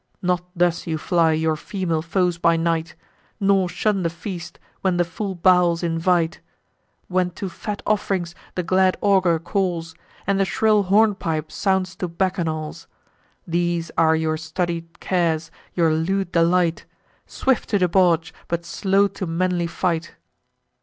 Not thus you fly your female foes by night, Nor shun the feast, when the full bowls invite; When to fat off'rings the glad augur calls, And the shrill hornpipe sounds to bacchanals. These are your studied cares, your lewd delight: Swift to debauch, but slow to manly fight."